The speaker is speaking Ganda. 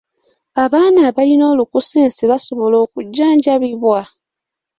Abaana abalina olukusense basobola okujjanjabibwa?